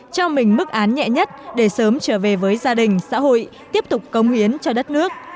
cho mình mức án nhẹ nhất để sớm trở về với gia đình xã hội tiếp tục công hiến cho đất nước